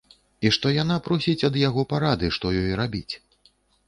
І што яна просіць ад яго парады што ёй рабіць.